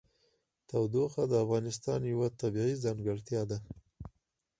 تودوخه د افغانستان یوه طبیعي ځانګړتیا ده.